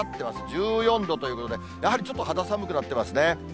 １４度ということで、やはりちょっと肌寒くなってますね。